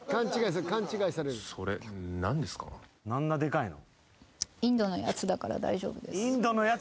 あんなでかいの。